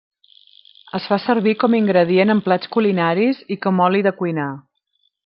Es fa servir com ingredient en plats culinaris i com oli de cuinar.